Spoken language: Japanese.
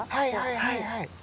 はいはい。